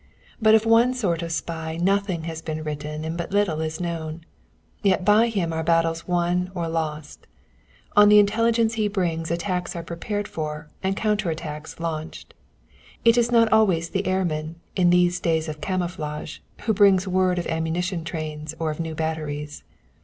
But of one sort of spy nothing has been written and but little is known. Yet by him are battles won or lost. On the intelligence he brings attacks are prepared for and counter attacks launched. It is not always the airman, in these days of camouflage, who brings word of ammunition trains or of new batteries.